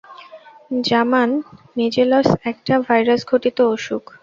জামান measles একটা ভাইরাসঘটিত অসুখ।